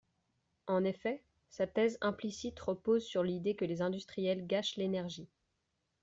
En effet, sa thèse implicite repose sur l’idée que les industriels gâchent l’énergie.